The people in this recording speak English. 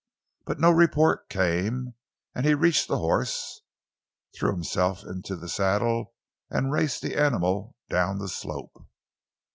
But no report came, and he reached the horse, threw himself into the saddle and raced the animal down the slope.